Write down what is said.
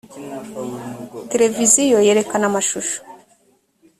televiziyo yerekana amashusho.